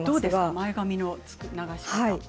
前髪の流し方です。